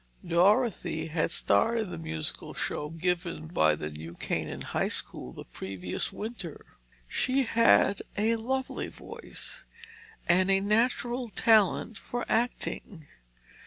Dorothy had starred in the musical show given by the New Canaan High School the previous winter. She had a lovely voice and a natural talent for acting.